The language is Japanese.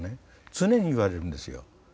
常に言われるんですよ。